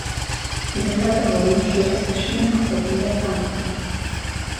Die Bevölkerung besteht aus verschiedenen Gruppen der Fanti.